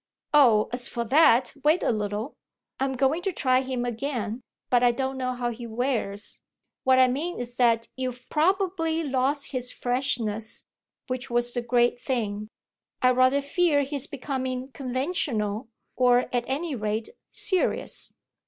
"Oh, as for that, wait a little. I'm going to try him again, but I don't know how he wears. What I mean is that you've probably lost his freshness, which was the great thing. I rather fear he's becoming conventional, or at any rate serious."